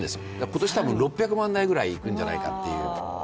今年たぶん６００万台ぐらいいくんじゃないかという。